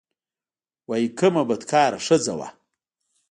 وايي کومه بدکاره ښځه وه.